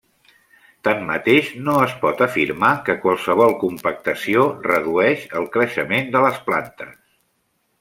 Tanmateix no es pot afirmar que qualsevol compactació redueix el creixement de les plantes.